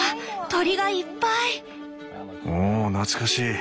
おお懐かしい。